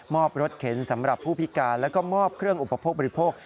อบรถเข็นสำหรับผู้พิการแล้วก็มอบเครื่องอุปโภคบริโภค